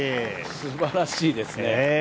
すばらしいですね。